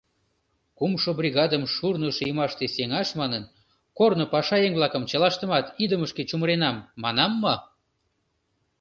Кумшо бригадым шурно шиймаште сеҥаш манын, корно пашаеҥ-влакым чылаштымат идымышке чумыренам, манам мо?